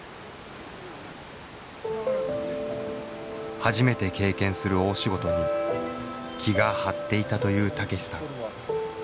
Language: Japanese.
初めて経験する大仕事に気が張っていたという武さん。